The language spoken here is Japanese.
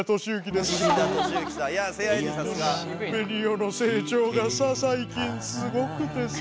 ベニオの成長がさ最近すごくてさ。